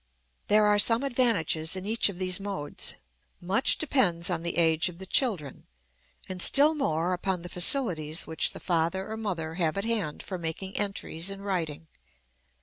There are some advantages in each of these modes. Much depends on the age of the children, and still more upon the facilities which the father or mother have at hand for making entries in writing.